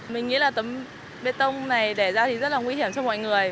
mình nghĩ là tấm bê tông này để ra thì rất là nguy hiểm cho mọi người